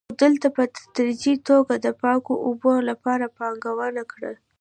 خو دولت په تدریجي توګه د پاکو اوبو لپاره پانګونه وکړه.